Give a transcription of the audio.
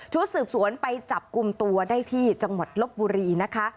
สืบสวนไปจับกลุ่มตัวได้ที่จังหวัดลบบุรีนะคะ